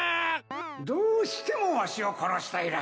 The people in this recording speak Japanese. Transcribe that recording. どうしてもわしを殺したいらしいな。